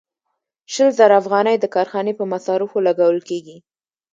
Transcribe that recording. شل زره افغانۍ د کارخانې په مصارفو لګول کېږي